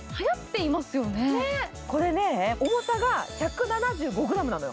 これね、重さが１７５ｇなのよ。